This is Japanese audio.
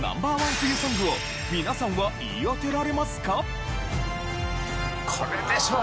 冬ソングを皆さんは言い当てられますか？